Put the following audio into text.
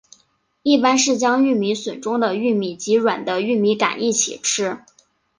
一般是将玉米笋中的玉米及软的玉米秆一起吃。